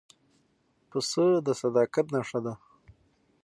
پسه د صداقت نښه ده.